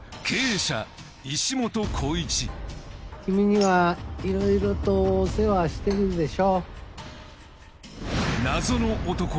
君にはいろいろとお世話してるでしょ。